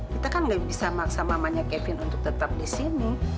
kita kan gak bisa maksa mamanya kevin untuk tetap di sini